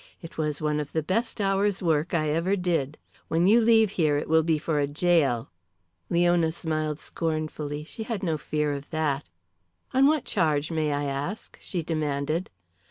It was one of the best hour's work I ever did. When you leave here it will be for a gaol." Leona smiled scornfully. She had no fear of that. "On what charge, may I ask?" she demanded.